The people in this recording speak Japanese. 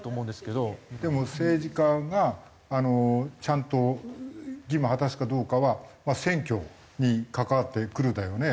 でも政治家がちゃんと義務を果たすかどうかは選挙に関わってくるんだよね。